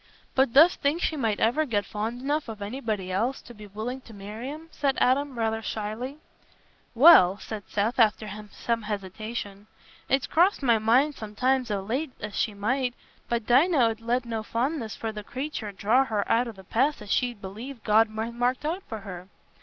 "But dost think she might ever get fond enough of anybody else to be willing to marry 'em?" said Adam rather shyly. "Well," said Seth, after some hesitation, "it's crossed my mind sometimes o' late as she might; but Dinah 'ud let no fondness for the creature draw her out o' the path as she believed God had marked out for her.